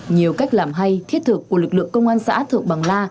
nhiều cách làm hay thiết thực của lực lượng công an xã thượng bằng la